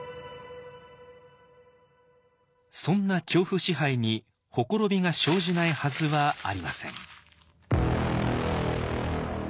そんな恐怖支配に綻びが生じないはずはありません。